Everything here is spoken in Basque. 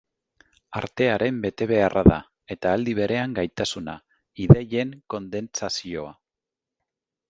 Artearen betebeharra da, eta aldi berean gaitasuna, ideien kondentsazioa.